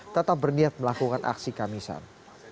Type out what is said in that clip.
tetap berniat melakukan aksi kamisan